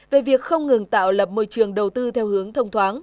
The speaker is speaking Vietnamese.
về việc không ngừng tạo lập môi trường đầu tư theo hướng thông thoáng